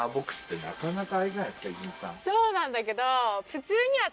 そうなんだけど。